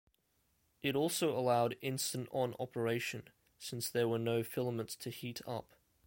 It also allowed "instant-on" operation, since there were no filaments to heat up.